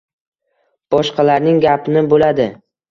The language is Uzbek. boshqalarning gapini bo‘ladi